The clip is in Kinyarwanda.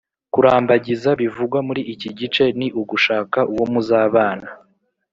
Kurambagiza bivugwa muri iki gice ni ugushaka uwo muzabana